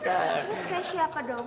kayak siapa dong